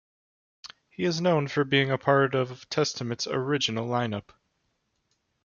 He is known for being a part of Testament's original line-up.